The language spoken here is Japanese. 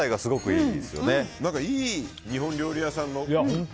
いい日本料理屋さんの。